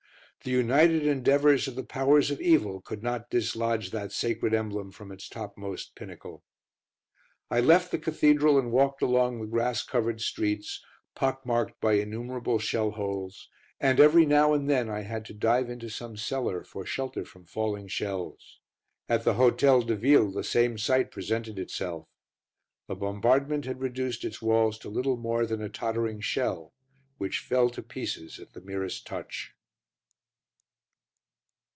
The united endeavours of the Powers of Evil could not dislodge that sacred emblem from its topmost pinnacle. I left the Cathedral and walked along the grass covered streets, pock marked by innumerable shell holes, and every now and then I had to dive into some cellar for shelter from falling shells. At the Hôtel de Ville the same sight presented itself. The bombardment had reduced its walls to little more than a tottering shell, which fell to pieces at the merest touch.